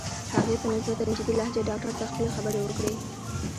هغې په نسبتاً جدي لهجه ډاکټر ته خپلې خبرې وکړې.